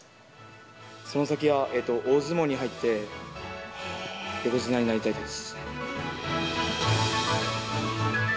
その先は、大相撲に入って、横綱になりたいです。